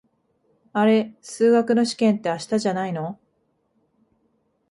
あれ、数学の試験って明日じゃないの？